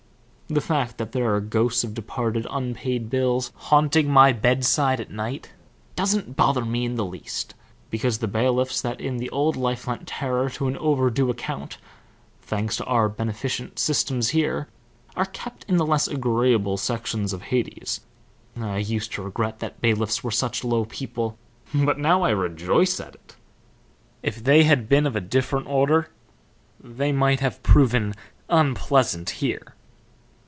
The fact that there are ghosts of departed unpaid bills haunting my bedside at night doesn't bother me in the least, because the bailiffs that in the old life lent terror to an overdue account, thanks to our beneficent system here, are kept in the less agreeable sections of Hades. I used to regret that bailiffs were such low people, but now I rejoice at it. If they had been of a different order they might have proven unpleasant here."